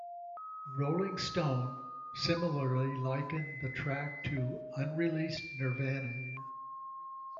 "Rolling Stone" similarly likened the track to "unreleased Nirvana".